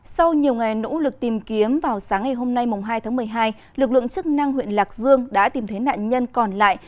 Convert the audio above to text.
sau nhiều ngày nỗ lực tìm kiếm vào sáng ngày hôm nay hai tháng một mươi hai lực lượng chức năng huyện lạc dương đã tìm thấy nạn nhân còn lại